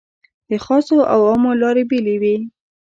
د خاصو او عامو لارې بېلې وې.